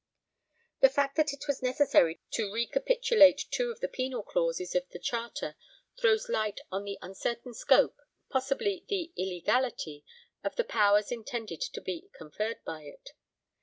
' The fact that it was necessary to recapitulate two of the penal clauses of the charter throws light on the uncertain scope possibly the illegality of the powers intended to be conferred by it.